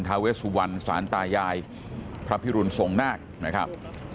ทาเวสุวรรณสารตายายพระพิรุณทรงนาคนะครับ